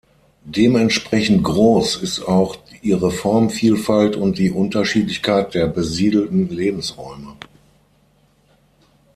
Dementsprechend groß ist auch ihre Formenvielfalt und die Unterschiedlichkeit der besiedelten Lebensräume.